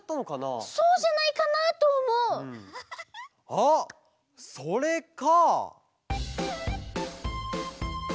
あっそれか。